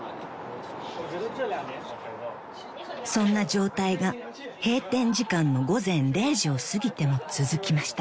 ［そんな状態が閉店時間の午前０時を過ぎても続きました］